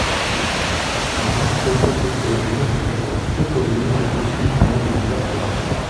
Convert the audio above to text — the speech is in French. Un anthropotoponyme est un toponyme issu du nom d’une personne.